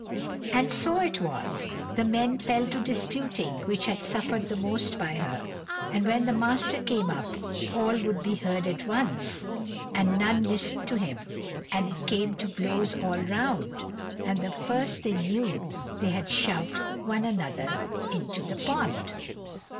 And so it was, the men fell to disputing which had suffered the most by her, and when the master came up all would be heard at once and none listened to him, and it came to blows all round, and the first they knew they had shoved one another into the pond.